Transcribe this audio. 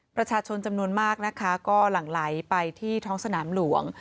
ประชาชนจำนวนมากนะคะก็หลั่งไหลไปที่ท้องสนามหลวง